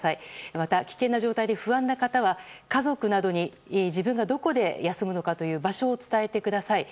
また、危険な状態で不安な方は家族などに自分がどこで休むのか、場所を伝えてください。